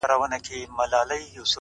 • ستا څخه ډېر تـنگ؛